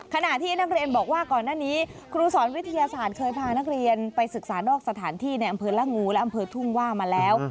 ขณะที่นักเรียนบอกว่าก่อนหน้านี้ครูสอนวิทยาศาสตร์เคยพานักเรียนไปศึกษานอกสถานที่ในอำเภอละงูและอำเภอทุ่งว่ามาแล้ว